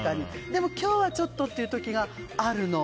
でも今日はちょっとという時があるの。